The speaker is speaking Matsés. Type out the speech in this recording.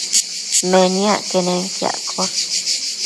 Meniac quenenquiaccosh